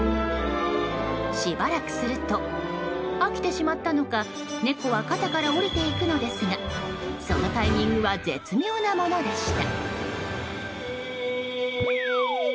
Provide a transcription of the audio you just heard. しばらくすると飽きてしまったのか猫は肩から降りていくのですがそのタイミングは絶妙なものでした。